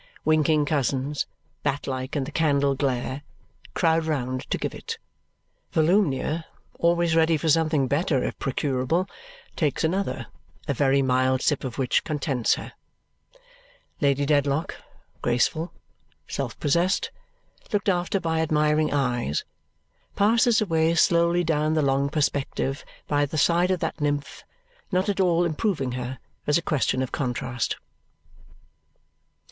Winking cousins, bat like in the candle glare, crowd round to give it; Volumnia (always ready for something better if procurable) takes another, a very mild sip of which contents her; Lady Dedlock, graceful, self possessed, looked after by admiring eyes, passes away slowly down the long perspective by the side of that nymph, not at all improving her as a question of contrast.